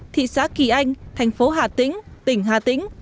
thị xã kỳ anh thành phố hà tĩnh tỉnh hà tĩnh